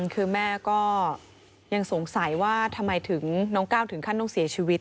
คือแม่ก็ยังสงสัยว่าทำไมถึงน้องก้าวถึงขั้นต้องเสียชีวิต